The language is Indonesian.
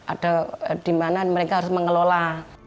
ada di mana mereka harus mengelola